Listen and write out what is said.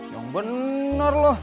yang bener loh